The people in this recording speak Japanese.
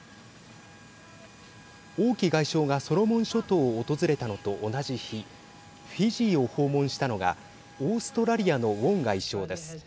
王毅外相がソロモン諸島を訪れたのと同じ日フィジーを訪問したのがオーストラリアのウォン外相です。